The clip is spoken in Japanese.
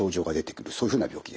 そういうふうな病気です。